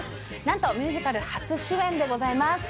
何とミュージカル初主演でございます